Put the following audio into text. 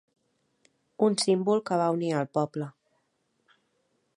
Un símbol que va unir al poble.